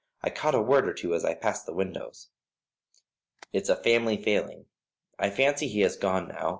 "I caught a word or two as I passed the windows." "It's a family failing. I fancy he has gone now.